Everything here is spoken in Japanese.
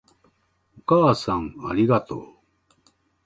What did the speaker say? お母さんありがとう